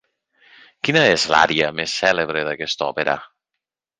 Quina és l'ària més celebre d'aquesta òpera?